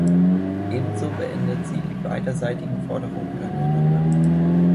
Ebenso beendet sie die beiderseitigen Forderungen aneinander.